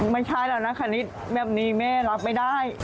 ไม่ใช่แล้วนะคะคณิตแบบนี้แม่รับไม่ได้